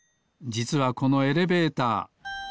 じつはこのエレベーター。